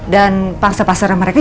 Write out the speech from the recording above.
dan pasara pasara mereka